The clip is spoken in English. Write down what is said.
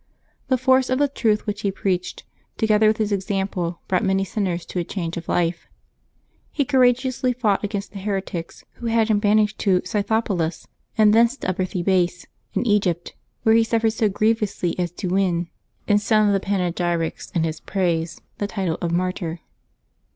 The force of the truth which he preached, together with his example, brought many sinners to a change of life. He courageously fought against the heretics, who had him banished to Scythopolis, and thence to Upper Thebais in Egypt, where he suffered so grievously as to win, in some of the panegyrics in his praise, the title of martyr.